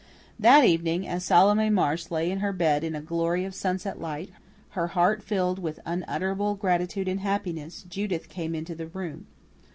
That evening, as Salome Marsh lay in her bed in a glory of sunset light, her heart filled with unutterable gratitude and happiness, Judith came into the room.